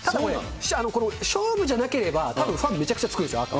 これ、勝負じゃなければ、たぶん、ファンめちゃくちゃつくんですよ、赤。